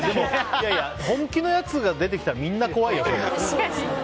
いやいや本気のやつが出てきたらみんな怖いよ。